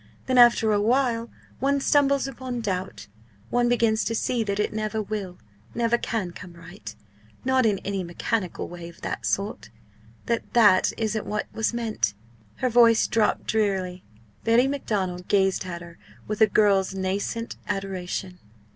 Then after a while one stumbles upon doubt one begins to see that it never will, never can come right not in any mechanical way of that sort that that isn't what was meant!" Her voice dropped drearily. Betty Macdonald gazed at her with a girl's nascent adoration.